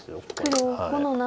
黒５の七。